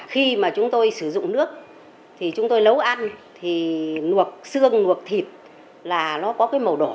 khi mà chúng tôi sử dụng nước thì chúng tôi nấu ăn thì luộc xương nguộc thịt là nó có cái màu đỏ